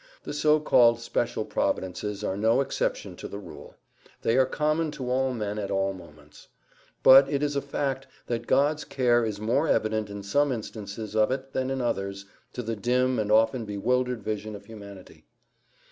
The so called special providences are no exception to the rule—they are common to all men at all moments. But it is a fact that God's care is more evident in some instances of it than in others to the dim and often bewildered vision of humanity.